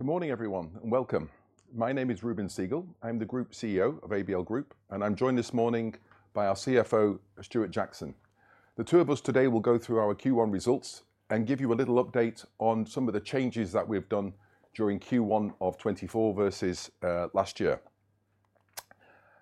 Good morning, everyone, and welcome. My name is Reuben Segal. I'm the Group CEO of ABL Group, and I'm joined this morning by our CFO, Stuart Jackson. The two of us today will go through our Q1 results and give you a little update on some of the changes that we've done during Q1 of 2024 versus last year.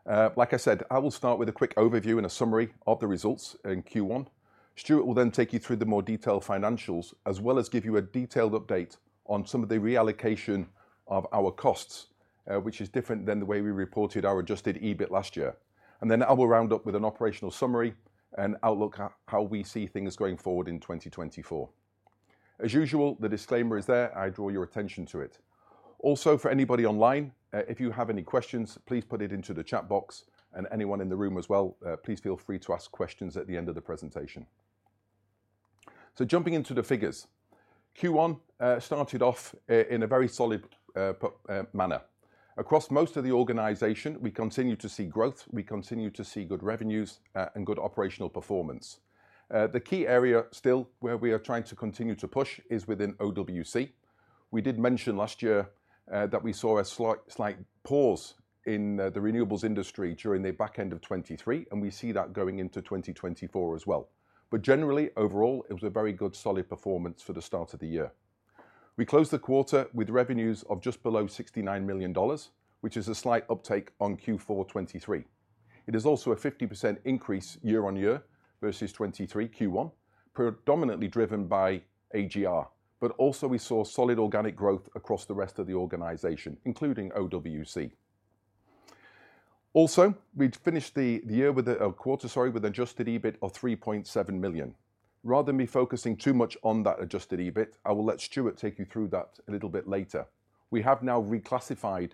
Like I said, I will start with a quick overview and a summary of the results in Q1. Stuart will then take you through the more detailed financials as well as give you a detailed update on some of the reallocation of our costs, which is different than the way we reported our adjusted EBIT last year. And then I will round up with an operational summary and outlook at how we see things going forward in 2024. As usual, the disclaimer is there. I draw your attention to it. Also, for anybody online, if you have any questions, please put it into the chat box. And anyone in the room as well, please feel free to ask questions at the end of the presentation. So jumping into the figures. Q1 started off in a very solid manner. Across most of the organization, we continue to see growth. We continue to see good revenues, and good operational performance. The key area still where we are trying to continue to push is within OWC. We did mention last year that we saw a slight, slight pause in the renewables industry during the back end of 2023, and we see that going into 2024 as well. But generally, overall, it was a very good, solid performance for the start of the year. We closed the quarter with revenues of just below $69 million, which is a slight uptake on Q4 2023. It is also a 50% increase year-on-year versus 2023 Q1, predominantly driven by AGR. But also we saw solid organic growth across the rest of the organization, including OWC. Also, we'd finished the quarter with adjusted EBIT of $3.7 million. Rather than being focusing too much on that adjusted EBIT, I will let Stuart take you through that a little bit later. We have now reclassified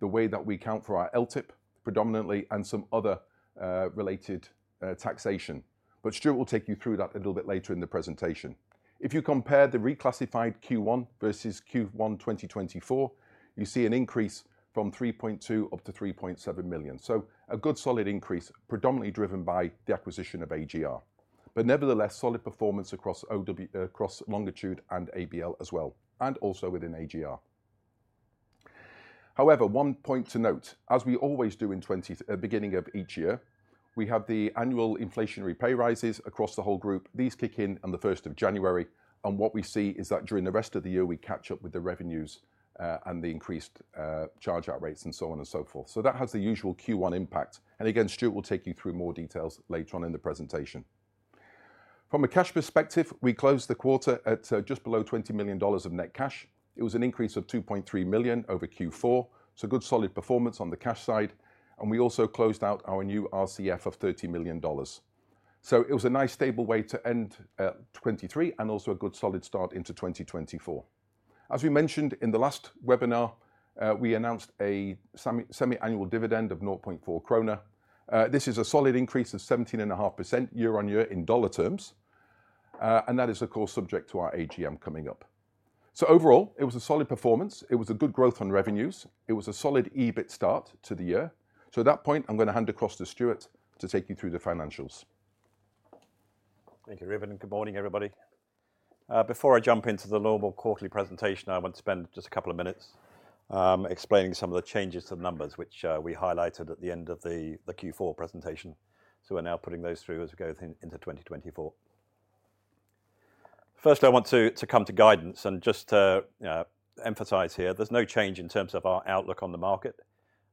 the way that we account for our LTIP, predominantly, and some other related taxation. But Stuart will take you through that a little bit later in the presentation. If you compare the reclassified Q1 versus Q1 2024, you see an increase from $3.2 million up to $3.7 million. So a good, solid increase, predominantly driven by the acquisition of AGR. But nevertheless, solid performance across OWC across Longitude and ABL as well, and also within AGR. However, one point to note. As we always do in 2020, beginning of each year, we have the annual inflationary pay rises across the whole group. These kick in on the 1st of January. And what we see is that during the rest of the year, we catch up with the revenues, and the increased charge out rates and so on and so forth. So that has the usual Q1 impact. And again, Stuart will take you through more details later on in the presentation. From a cash perspective, we closed the quarter at just below $20 million of net cash. It was an increase of $2.3 million over Q4. So good, solid performance on the cash side. And we also closed out our new RCF of $30 million. So it was a nice, stable way to end 2023 and also a good, solid start into 2024. As we mentioned in the last webinar, we announced a semi-semi-annual dividend of 0.4 kroner. This is a solid increase of 17.5% year-on-year in dollar terms. That is, of course, subject to our AGM coming up. So overall, it was a solid performance. It was a good growth on revenues. It was a solid EBIT start to the year. So at that point, I'm gonna hand across to Stuart to take you through the financials. Thank you, Reuben. Good morning, everybody. Before I jump into the normal quarterly presentation, I want to spend just a couple of minutes explaining some of the changes to the numbers, which we highlighted at the end of the Q4 presentation. So we're now putting those through as we go into 2024. First, I want to come to guidance and just to, you know, emphasize here, there's no change in terms of our outlook on the market.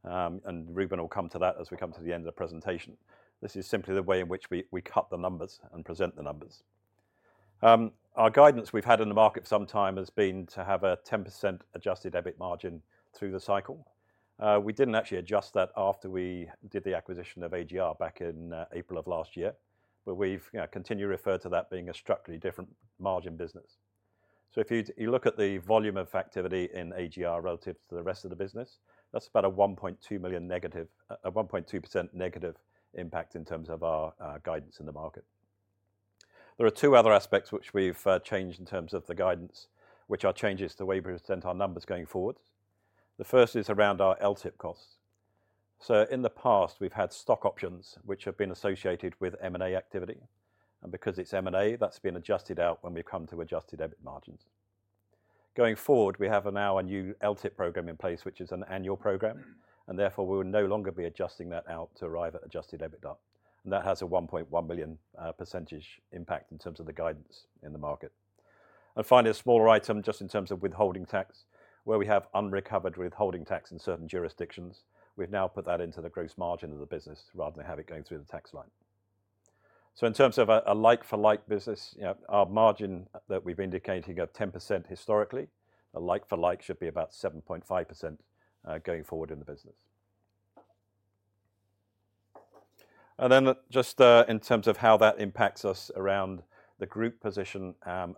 And Reuben will come to that as we come to the end of the presentation. This is simply the way in which we cut the numbers and present the numbers. Our guidance we've had in the market for some time has been to have a 10% adjusted EBIT margin through the cycle. We didn't actually adjust that after we did the acquisition of AGR back in April of last year. But we've, you know, continued to refer to that being a structurally different margin business. So if you look at the volume of activity in AGR relative to the rest of the business, that's about a $1.2 million negative, a 1.2% negative impact in terms of our guidance in the market. There are two other aspects which we've changed in terms of the guidance, which are changes to the way we present our numbers going forward. The first is around our LTIP costs. So in the past, we've had stock options which have been associated with M&A activity. And because it's M&A, that's been adjusted out when we've come to adjusted EBIT margins. Going forward, we have now a new LTIP program in place, which is an annual program. And therefore, we will no longer be adjusting that out to arrive at adjusted EBITDA. And that has a $1.1 million percentage impact in terms of the guidance in the market. And finally, a smaller item just in terms of withholding tax, where we have unrecovered withholding tax in certain jurisdictions. We've now put that into the gross margin of the business rather than have it going through the tax line. So in terms of a, a like-for-like business, you know, our margin that we've indicated here of 10% historically, a like-for-like should be about 7.5%, going forward in the business. And then just, in terms of how that impacts us around the group position,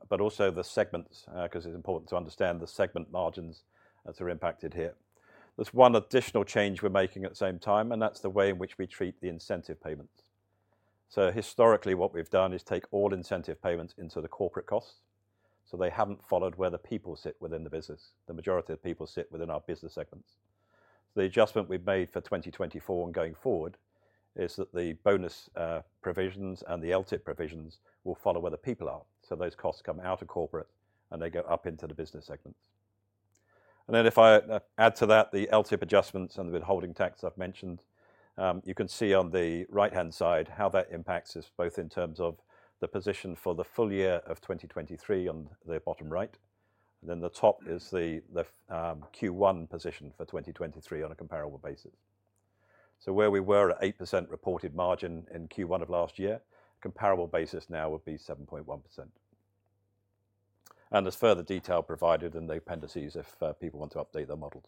but also the segments, 'cause it's important to understand the segment margins that are impacted here. There's one additional change we're making at the same time, and that's the way in which we treat the incentive payments. Historically, what we've done is take all incentive payments into the corporate costs. So they haven't followed where the people sit within the business. The majority of people sit within our business segments. So the adjustment we've made for 2024 and going forward is that the bonus provisions and the LTIP provisions will follow where the people are. So those costs come out of corporate, and they go up into the business segments. And then if I add to that the LTIP adjustments and the withholding tax I've mentioned, you can see on the right-hand side how that impacts us both in terms of the position for the full year of 2023 on the bottom right. And then the top is the Q1 position for 2023 on a comparable basis. So where we were at 8% reported margin in Q1 of last year, a comparable basis now would be 7.1%. And there's further detail provided in the appendices if people want to update their models.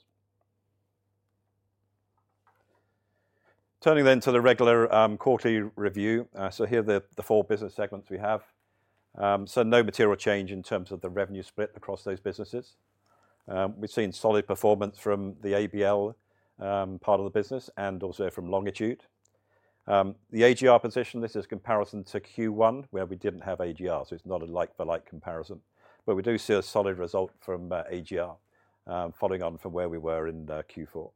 Turning then to the regular quarterly review. So here are the four business segments we have. So no material change in terms of the revenue split across those businesses. We've seen solid performance from the ABL part of the business and also from Longitude. The AGR position, this is comparison to Q1, where we didn't have AGR. So it's not a like-for-like comparison. But we do see a solid result from AGR, following on from where we were in Q4.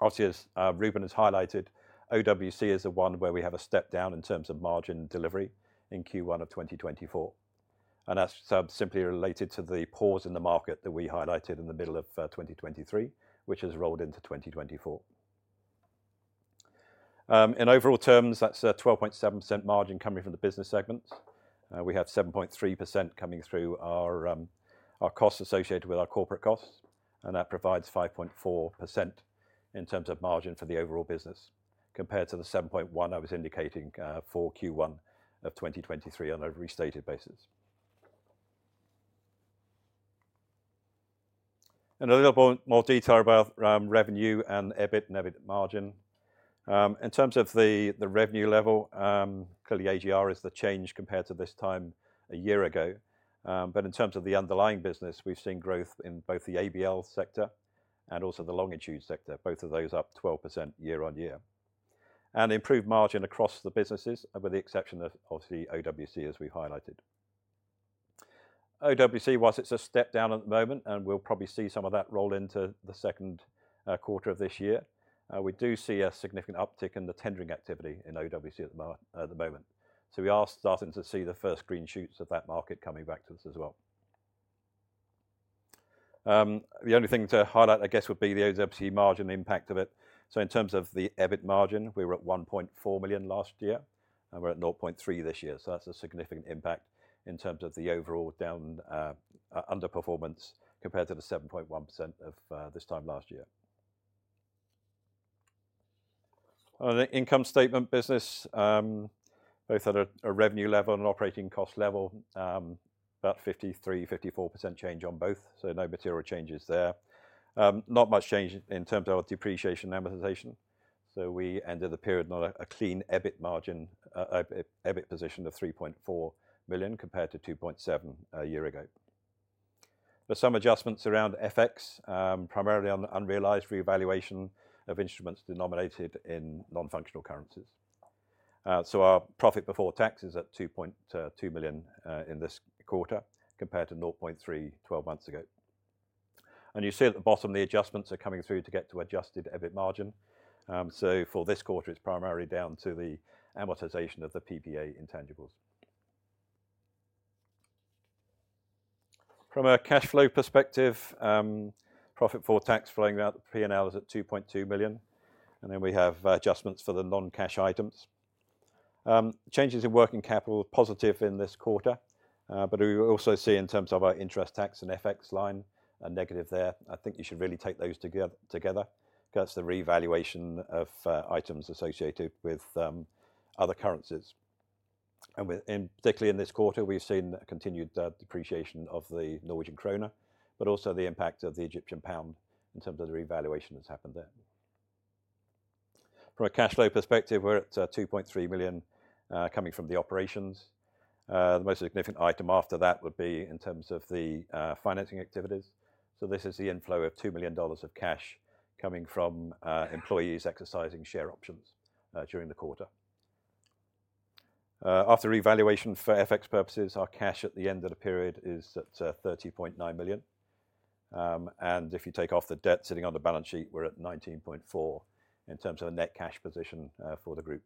Obviously, as Reuben has highlighted, OWC is the one where we have a step down in terms of margin delivery in Q1 of 2024. That's simply related to the pause in the market that we highlighted in the middle of 2023, which has rolled into 2024. In overall terms, that's 12.7% margin coming from the business segments. We have 7.3% coming through our costs associated with our corporate costs. And that provides 5.4% in terms of margin for the overall business compared to the 7.1% I was indicating for Q1 of 2023 on a restated basis. And a little bit more detail about revenue and EBIT and EBIT margin. In terms of the revenue level, clearly AGR is the change compared to this time a year ago. But in terms of the underlying business, we've seen growth in both the ABL sector and also the Longitude sector, both of those up 12% year-on-year. And improved margin across the businesses, with the exception of, obviously, OWC, as we've highlighted. OWC, while it's a step down at the moment and we'll probably see some of that roll into the second quarter of this year, we do see a significant uptick in the tendering activity in OWC at the moment. So we are starting to see the first green shoots of that market coming back to us as well. The only thing to highlight, I guess, would be the OWC margin impact of it. So in terms of the EBIT margin, we were at $1.4 million last year, and we're at $0.3 million this year. So that's a significant impact in terms of the overall down underperformance compared to the 7.1% this time last year. On the income statement business, both at a revenue level and operating cost level, about 53%-54% change on both. So no material changes there. Not much change in terms of depreciation amortization. So we ended the period on a, a clean EBIT margin, EBIT, EBIT position of $3.4 million compared to $2.7 million year ago. There's some adjustments around FX, primarily on unrealized revaluation of instruments denominated in non-functional currencies. So our profit before tax is at $2.2 million in this quarter compared to $0.3 million 12 months ago. And you see at the bottom, the adjustments are coming through to get to adjusted EBIT margin. So for this quarter, it's primarily down to the amortization of the PPA intangibles. From a cash flow perspective, profit before tax flowing out of P&L is at $2.2 million. And then we have adjustments for the non-cash items. Changes in working capital positive in this quarter. But we also see in terms of our interest tax and FX line a negative there. I think you should really take those together together, 'cause that's the revaluation of items associated with other currencies. And within particularly in this quarter, we've seen a continued depreciation of the Norwegian krone, but also the impact of the Egyptian pound in terms of the revaluation that's happened there. From a cash flow perspective, we're at $2.3 million coming from the operations. The most significant item after that would be in terms of the financing activities. So this is the inflow of $2 million of cash coming from employees exercising share options during the quarter. After revaluation for FX purposes, our cash at the end of the period is at $30.9 million. And if you take off the debt sitting on the balance sheet, we're at $19.4 million in terms of a net cash position for the group.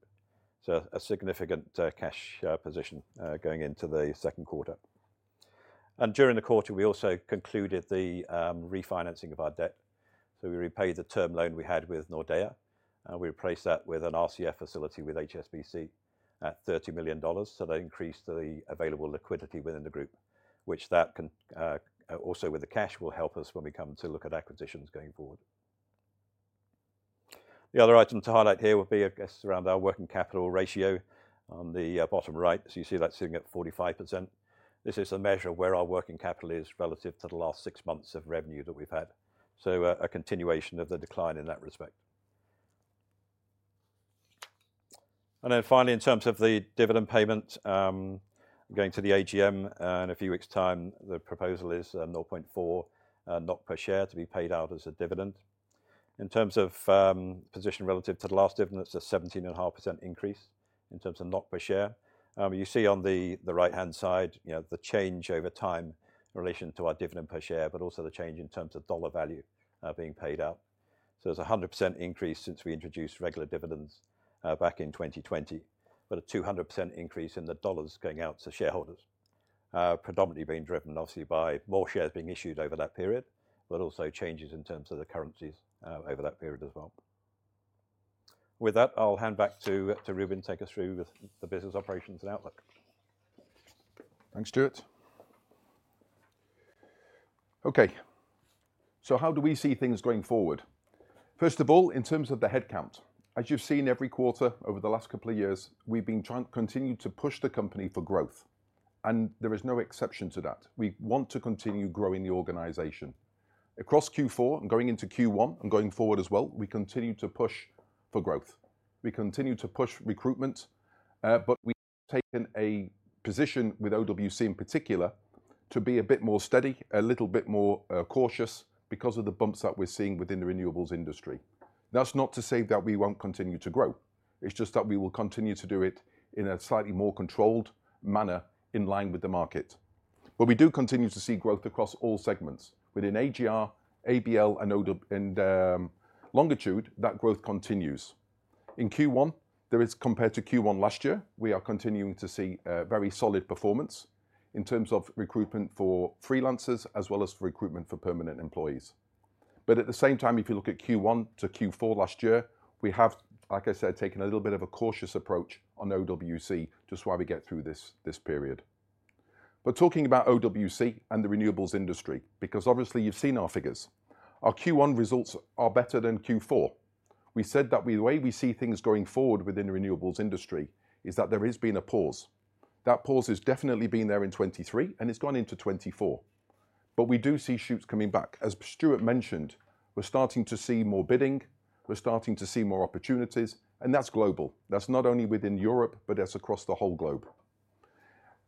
So a significant cash position going into the second quarter. During the quarter, we also concluded the refinancing of our debt. So we repaid the term loan we had with Nordea. We replaced that with an RCF facility with HSBC at $30 million. So that increased the available liquidity within the group, which can also with the cash will help us when we come to look at acquisitions going forward. The other item to highlight here would be, I guess, around our working capital ratio on the bottom right. So you see that sitting at 45%. This is a measure of where our working capital is relative to the last six months of revenue that we've had. So, a continuation of the decline in that respect. And then finally, in terms of the dividend payment, going to the AGM in a few weeks' time, the proposal is 0.4 NOK per share to be paid out as a dividend. In terms of position relative to the last dividend, it's a 17.5% increase in terms of NOK per share. You see on the right-hand side, you know, the change over time in relation to our dividend per share, but also the change in terms of dollar value being paid out. So there's a 100% increase since we introduced regular dividends back in 2020, but a 200% increase in the dollars going out to shareholders, predominantly being driven, obviously, by more shares being issued over that period, but also changes in terms of the currencies over that period as well. With that, I'll hand back to Reuben to take us through the business operations and outlook. Thanks, Stuart. Okay. So how do we see things going forward? First of all, in terms of the headcount, as you've seen every quarter over the last couple of years, we've been trying to continue to push the company for growth. And there is no exception to that. We want to continue growing the organization. Across Q4 and going into Q1 and going forward as well, we continue to push for growth. We continue to push recruitment. But we've taken a position with OWC in particular to be a bit more steady, a little bit more cautious because of the bumps that we're seeing within the renewables industry. That's not to say that we won't continue to grow. It's just that we will continue to do it in a slightly more controlled manner in line with the market. But we do continue to see growth across all segments. Within AGR, ABL, and OD and Longitude, that growth continues. In Q1, there is compared to Q1 last year, we are continuing to see very solid performance in terms of recruitment for freelancers as well as for recruitment for permanent employees. At the same time, if you look at Q1 to Q4 last year, we have, like I said, taken a little bit of a cautious approach on OWC to see why we get through this, this period. Talking about OWC and the renewables industry, because obviously you've seen our figures, our Q1 results are better than Q4. We said that we the way we see things going forward within the renewables industry is that there has been a pause. That pause has definitely been there in 2023, and it's gone into 2024. But we do see shoots coming back. As Stuart mentioned, we're starting to see more bidding. We're starting to see more opportunities. And that's global. That's not only within Europe, but that's across the whole globe.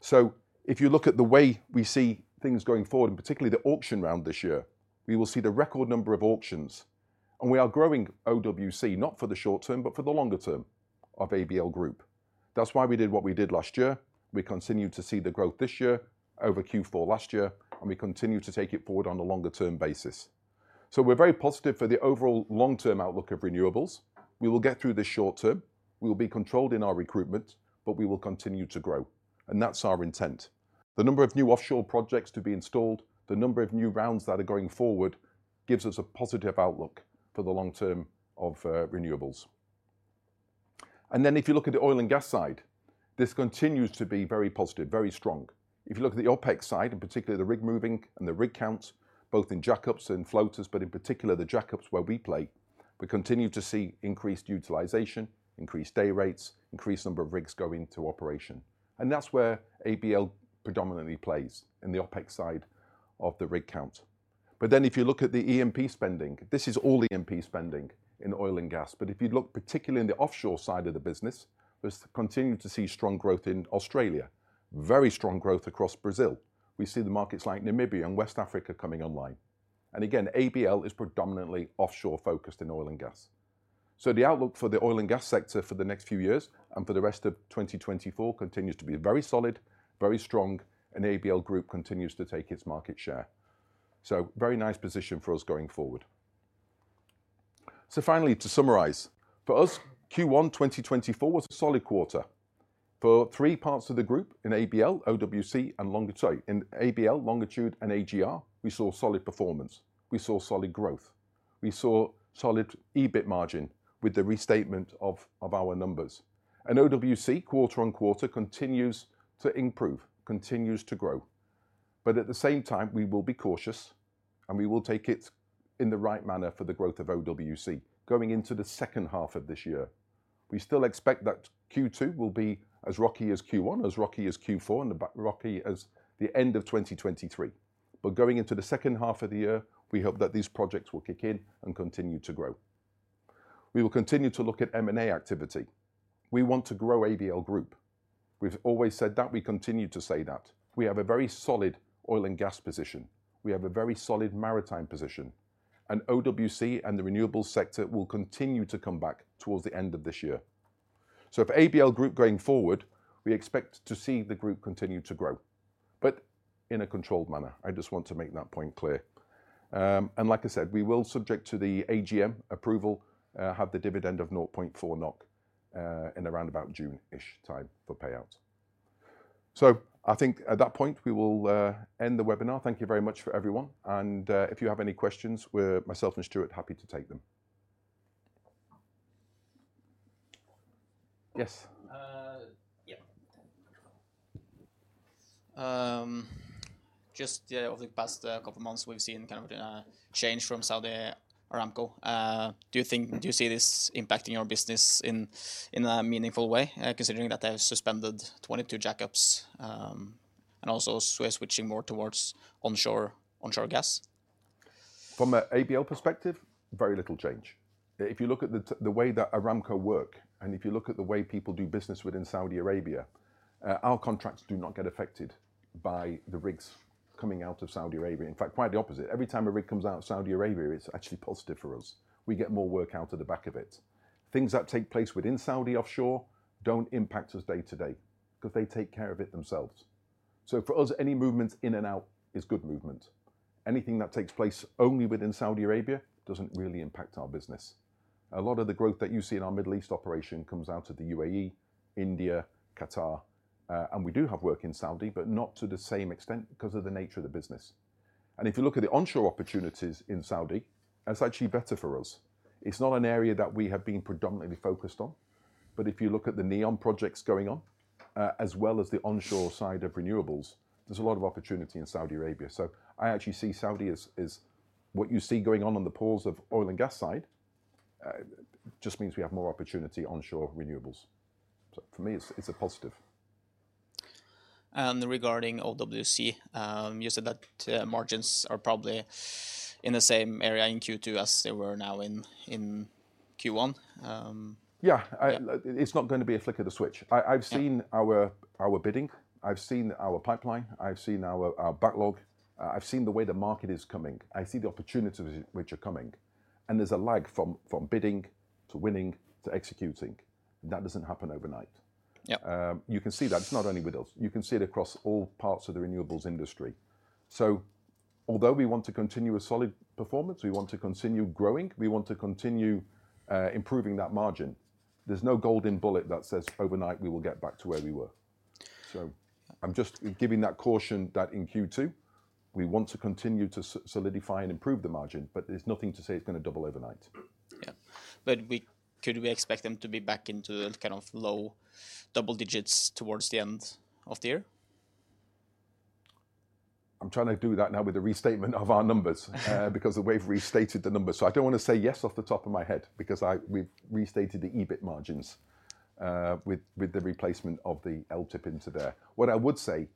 So if you look at the way we see things going forward, and particularly the auction round this year, we will see the record number of auctions. And we are growing OWC not for the short term, but for the longer term of ABL Group. That's why we did what we did last year. We continue to see the growth this year over Q4 last year, and we continue to take it forward on a longer-term basis. So we're very positive for the overall long-term outlook of renewables. We will get through this short term. We will be controlled in our recruitment, but we will continue to grow. And that's our intent. The number of new offshore projects to be installed, the number of new rounds that are going forward, gives us a positive outlook for the long term of renewables. And then if you look at the oil and gas side, this continues to be very positive, very strong. If you look at the OPEC side, and particularly the rig market and the rig counts, both in jackups and floaters, but in particular the jackups where we play, we continue to see increased utilization, increased day rates, increased number of rigs going to operation. And that's where ABL predominantly plays in the OPEC side of the rig count. But then if you look at the E&P spending, this is all E&P spending in oil and gas. But if you look particularly in the offshore side of the business, we continue to see strong growth in Australia, very strong growth across Brazil. We see the markets like Namibia and West Africa coming online. And again, ABL is predominantly offshore-focused in oil and gas. So the outlook for the oil and gas sector for the next few years and for the rest of 2024 continues to be very solid, very strong, and ABL Group continues to take its market share. So very nice position for us going forward. So finally, to summarise, for us, Q1 2024 was a solid quarter. For three parts of the group in ABL, OWC, and Longitude sorry, in ABL, Longitude, and AGR, we saw solid performance. We saw solid growth. We saw solid EBIT margin with the restatement of our numbers. And OWC, quarter on quarter, continues to improve, continues to grow. But at the same time, we will be cautious, and we will take it in the right manner for the growth of OWC going into the second half of this year. We still expect that Q2 will be as rocky as Q1, as rocky as Q4, and rocky as the end of 2023. But going into the second half of the year, we hope that these projects will kick in and continue to grow. We will continue to look at M&A activity. We want to grow ABL Group. We've always said that. We continue to say that. We have a very solid oil and gas position. We have a very solid maritime position. And OWC and the renewables sector will continue to come back towards the end of this year. So for ABL Group going forward, we expect to see the group continue to grow, but in a controlled manner. I just want to make that point clear. And like I said, we will, subject to the AGM approval, have the dividend of 0.4 NOK, in around about June-ish time for payout. So I think at that point, we will end the webinar. Thank you very much for everyone. And, if you have any questions, we're myself and Stuart happy to take them. Yes? Yeah. Just over the past couple of months, we've seen kind of a change from Saudi Aramco. Do you think, do you see this impacting your business in a meaningful way, considering that they have suspended 22 jackups, and also we're switching more towards onshore gas? From an ABL perspective, very little change. If you look at the way that Aramco work, and if you look at the way people do business within Saudi Arabia, our contracts do not get affected by the rigs coming out of Saudi Arabia. In fact, quite the opposite. Every time a rig comes out of Saudi Arabia, it's actually positive for us. We get more work out of the back of it. Things that take place within Saudi offshore don't impact us day to day 'cause they take care of it themselves. So for us, any movement in and out is good movement. Anything that takes place only within Saudi Arabia doesn't really impact our business. A lot of the growth that you see in our Middle East operation comes out of the UAE, India, Qatar, and we do have work in Saudi, but not to the same extent 'cause of the nature of the business. If you look at the onshore opportunities in Saudi, that's actually better for us. It's not an area that we have been predominantly focused on. If you look at the NEOM projects going on, as well as the onshore side of renewables, there's a lot of opportunity in Saudi Arabia. I actually see Saudi as what you see going on on the plus side of oil and gas side, just means we have more opportunity onshore renewables. For me, it's a positive. Regarding OWC, you said that margins are probably in the same area in Q2 as they were now in Q1. Yeah. It's not gonna be a flick of the switch. I've seen our bidding. I've seen our pipeline. I've seen our backlog. I've seen the way the market is coming. I see the opportunities which are coming. And there's a lag from bidding to winning to executing. And that doesn't happen overnight. Yeah. You can see that. It's not only with us. You can see it across all parts of the renewables industry. So although we want to continue a solid performance, we want to continue growing, we want to continue, improving that margin. There's no golden bullet that says overnight we will get back to where we were. So I'm just giving that caution that in Q2, we want to continue to solidify and improve the margin, but there's nothing to say it's gonna double overnight. Yeah. But could we expect them to be back into the kind of low double digits towards the end of the year? I'm trying to do that now with the restatement of our numbers, because the way we've restated the numbers. So I don't wanna say yes off the top of my head because we've restated the EBIT margins with the replacement of the LTIP into there. What I would say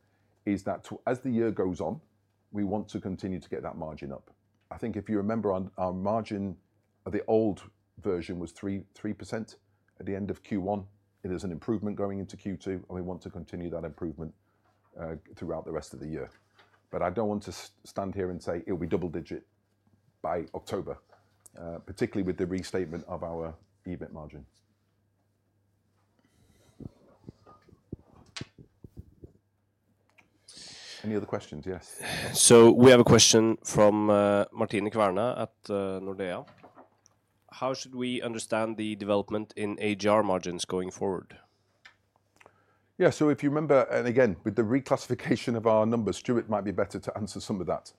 is that as the year goes on, we want to continue to get that margin up. I think if you remember, our margin, the old version was 3% at the end of Q1. It is an improvement going into Q2. And we want to continue that improvement throughout the rest of the year. But I don't want to stand here and say it'll be double-digit by October, particularly with the restatement of our EBIT margin. Any other questions? Yes? So we have a question from Martine Kverne at Nordea. How should we understand the development in AGR margins going forward? Yeah. So if you remember, and again, with the reclassification of our numbers, Stuart might be better to answer some of that.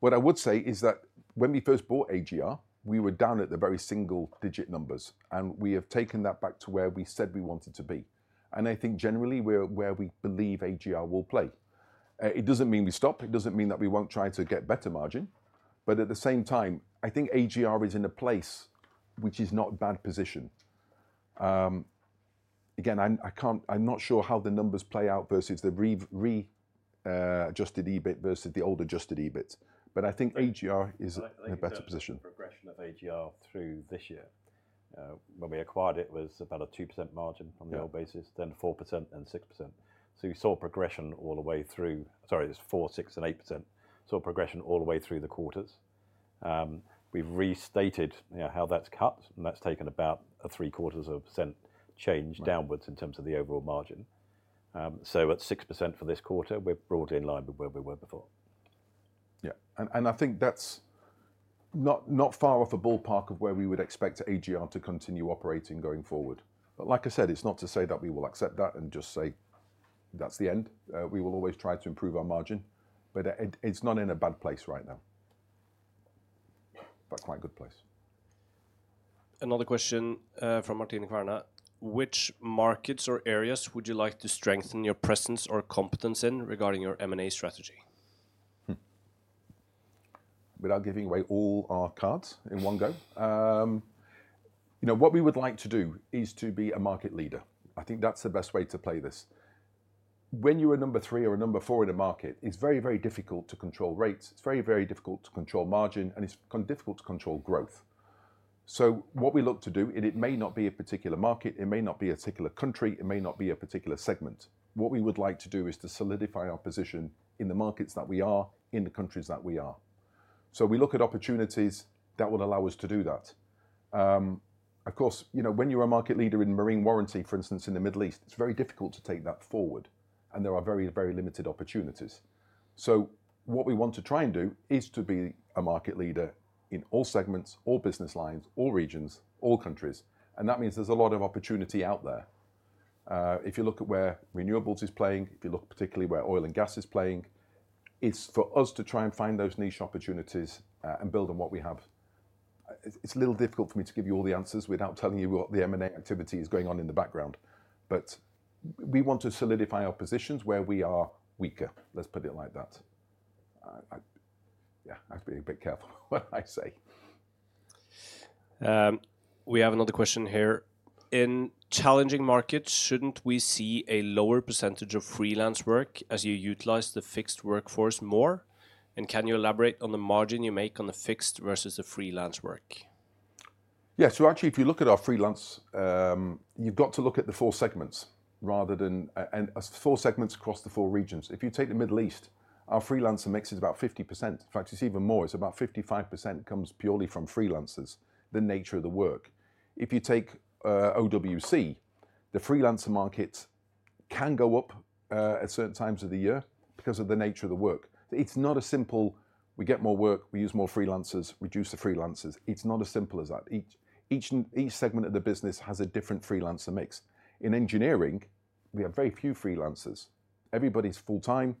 What I would say is that when we first bought AGR, we were down at the very single digit numbers. And we have taken that back to where we said we wanted to be. And I think generally we're where we believe AGR will play. It doesn't mean we stop. It doesn't mean that we won't try to get better margin. But at the same time, I think AGR is in a place which is not a bad position. Again, I'm not sure how the numbers play out versus the re-adjusted EBIT versus the old adjusted EBIT. But I think AGR is a better position. Like the progression of AGR through this year, when we acquired it was about a 2% margin on the old basis, then 4%, then 6%. So we saw progression all the way through sorry, it's 4, 6, and 8%. Saw progression all the way through the quarters. We've restated, you know, how that's cut, and that's taken about a 0.75% change downwards in terms of the overall margin. So at 6% for this quarter, we're broadly in line with where we were before. Yeah. I think that's not far off a ballpark of where we would expect AGR to continue operating going forward. But like I said, it's not to say that we will accept that and just say that's the end. We will always try to improve our margin. But it's not in a bad place right now. But quite a good place. Another question, from Martine Kverne. Which markets or areas would you like to strengthen your presence or competence in regarding your M&A strategy? Without giving away all our cards in one go, you know, what we would like to do is to be a market leader. I think that's the best way to play this. When you're a number 3 or a number 4 in a market, it's very, very difficult to control rates. It's very, very difficult to control margin. And it's difficult to control growth. So what we look to do, and it may not be a particular market, it may not be a particular country, it may not be a particular segment, what we would like to do is to solidify our position in the markets that we are, in the countries that we are. So we look at opportunities that will allow us to do that. Of course, you know, when you're a market leader in marine warranty, for instance, in the Middle East, it's very difficult to take that forward. And there are very, very limited opportunities. So what we want to try and do is to be a market leader in all segments, all business lines, all regions, all countries. And that means there's a lot of opportunity out there. If you look at where renewables is playing, if you look particularly where oil and gas is playing, it's for us to try and find those niche opportunities, and build on what we have. It's a little difficult for me to give you all the answers without telling you what the M&A activity is going on in the background. But we want to solidify our positions where we are weaker. Let's put it like that. I yeah. I have to be a bit careful what I say. We have another question here. In challenging markets, shouldn't we see a lower percentage of freelance work as you utilize the fixed workforce more? And can you elaborate on the margin you make on the fixed versus the freelance work? Yeah. So actually, if you look at our freelance, you've got to look at the four segments rather than and, and four segments across the four regions. If you take the Middle East, our freelancer mix is about 50%. In fact, it's even more. It's about 55% comes purely from freelancers, the nature of the work. If you take OWC, the freelancer market can go up at certain times of the year because of the nature of the work. It's not a simple we get more work, we use more freelancers, reduce the freelancers. It's not as simple as that. Each, each, each segment of the business has a different freelancer mix. In engineering, we have very few freelancers. Everybody's full-time.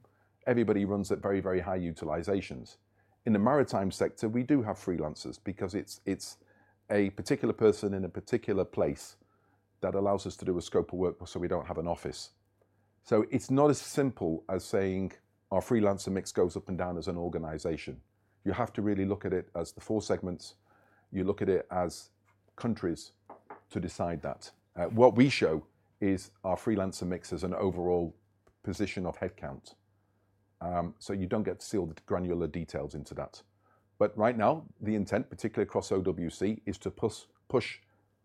Everybody runs at very, very high utilizations. In the maritime sector, we do have freelancers because it's, it's a particular person in a particular place that allows us to do a scope of work so we don't have an office. So it's not as simple as saying our freelancer mix goes up and down as an organization. You have to really look at it as the four segments. You look at it as countries to decide that. What we show is our freelancer mix as an overall position of headcount. So you don't get to see all the granular details into that. But right now, the intent, particularly across OWC, is to push, push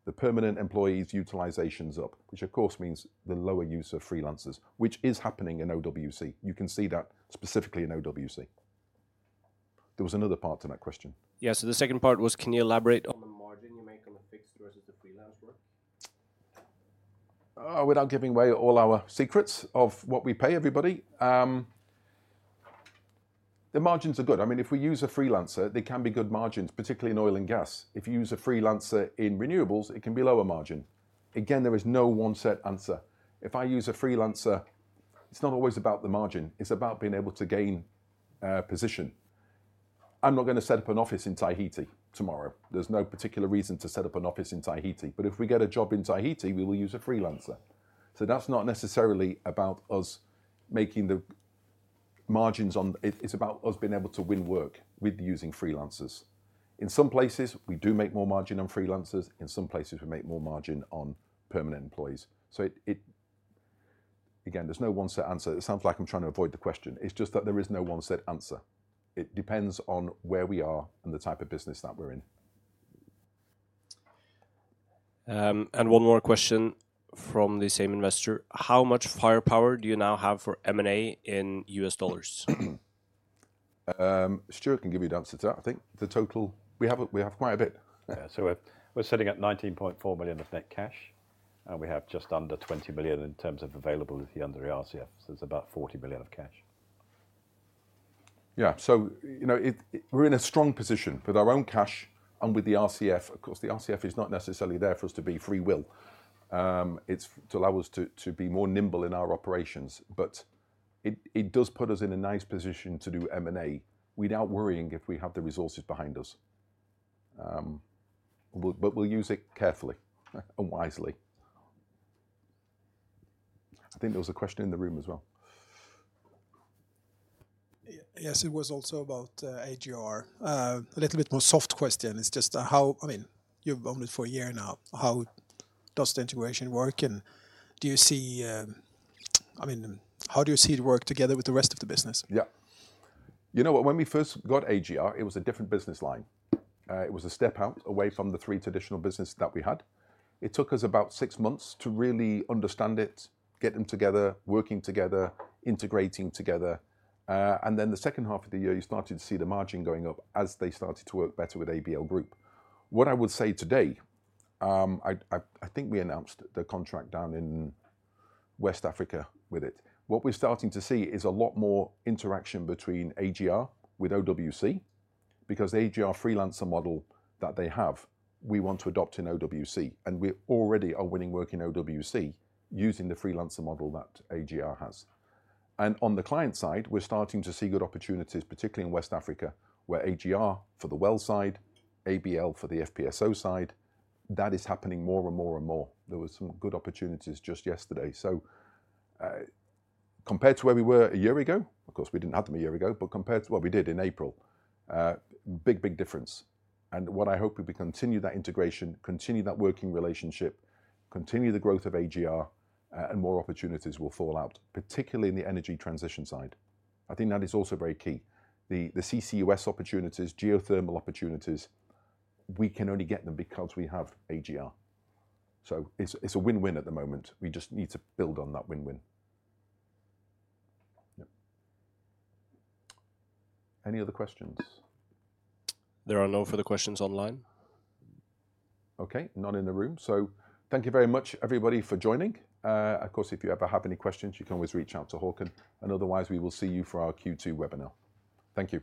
the permanent employees utilizations up, which of course means the lower use of freelancers, which is happening in OWC. You can see that specifically in OWC. There was another part to that question. Yeah. So the second part was, can you elaborate on the margin you make on the fixed versus the freelance work? Without giving away all our secrets of what we pay everybody, the margins are good. I mean, if we use a freelancer, there can be good margins, particularly in oil and gas. If you use a freelancer in renewables, it can be lower margin. Again, there is no one set answer. If I use a freelancer, it's not always about the margin. It's about being able to gain position. I'm not gonna set up an office in Tahiti tomorrow. There's no particular reason to set up an office in Tahiti. But if we get a job in Tahiti, we will use a freelancer. So that's not necessarily about us making the margins on it, it's about us being able to win work with using freelancers. In some places, we do make more margin on freelancers. In some places, we make more margin on permanent employees. So it again, there's no one set answer. It sounds like I'm trying to avoid the question. It's just that there is no one set answer. It depends on where we are and the type of business that we're in. One more question from the same investor. How much firepower do you now have for M&A in U.S. dollars? Stuart can give you the answer to that. I think the total we have quite a bit. Yeah. So we're, we're sitting at $19.4 million of net cash. And we have just under $20 million in terms of availability under the RCF. So it's about $40 million of cash. Yeah. So, you know, we're in a strong position with our own cash and with the RCF. Of course, the RCF is not necessarily there for us to be freewheeling. It's to allow us to, to be more nimble in our operations. But it, it does put us in a nice position to do M&A without worrying if we have the resources behind us. Well, but we'll use it carefully and wisely. I think there was a question in the room as well. Yes. It was also about AGR, a little bit more soft question. It's just how I mean, you've owned it for a year now. How does the integration work? And do you see, I mean, how do you see it work together with the rest of the business? Yeah. You know what? When we first got AGR, it was a different business line. It was a step out away from the three traditional businesses that we had. It took us about six months to really understand it, get them together, working together, integrating together. Then the second half of the year, you started to see the margin going up as they started to work better with ABL Group. What I would say today,I think we announced the contract down in West Africa with it. What we're starting to see is a lot more interaction between AGR with OWC because the AGR freelancer model that they have, we want to adopt in OWC. We already are winning work in OWC using the freelancer model that AGR has. On the client side, we're starting to see good opportunities, particularly in West Africa where AGR for the well side, ABL for the FPSO side, that is happening more and more and more. There were some good opportunities just yesterday. Compared to where we were a year ago of course, we didn't have them a year ago. But compared to what we did in April, big, big difference. What I hope we will be continue that integration, continue that working relationship, continue the growth of AGR, and more opportunities will fall out, particularly in the energy transition side. I think that is also very key. The CCUS opportunities, geothermal opportunities, we can only get them because we have AGR. So it's a win-win at the moment. We just need to build on that win-win. Yep. Any other questions? There are no further questions online. Okay. None in the room. So thank you very much, everybody, for joining. Of course, if you ever have any questions, you can always reach out to Haakon. And otherwise, we will see you for our Q2 webinar. Thank you.